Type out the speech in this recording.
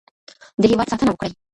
د هېواد ساتنه وکړئ.